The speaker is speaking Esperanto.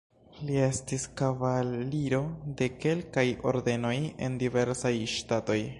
Li estis kavaliro de kelkaj ordenoj en diversaj ŝtatoj.